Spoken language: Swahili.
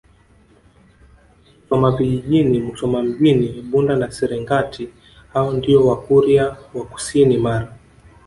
Musoma Vijjini Musoma Mjini Bunda na Serengati hao ndio Wakurya wa kusini Mara